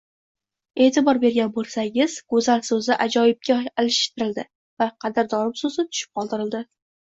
Eʼtibor bergan boʻlsangiz, goʻzal soʻzi ajoyibga alishtirildi va qadrdonim soʻzi tushirib qoldirildi